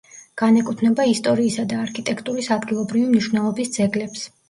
განეკუთვნება ისტორიისა და არქიტექტურის ადგილობრივი მნიშვნელობის ძეგლებს.